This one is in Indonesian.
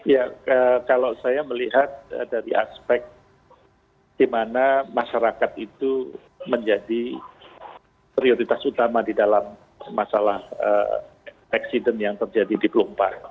ya kalau saya melihat dari aspek di mana masyarakat itu menjadi prioritas utama di dalam masalah accident yang terjadi di pelumpang